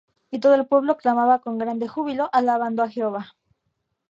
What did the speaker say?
Y todo el pueblo aclamaba con grande júbilo, alabando á Jehová.